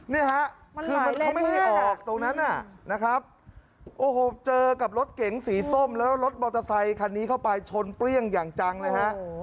นี่ฮะคือเขาไม่ให้ออกตรงนั้นนะครับโอ้โหเจอกับรถเก๋งสีส้มแล้วรถมอเตอร์ไซคันนี้เข้าไปชนเปรี้ยงอย่างจังเลยฮะ